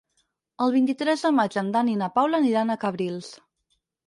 El vint-i-tres de maig en Dan i na Paula aniran a Cabrils.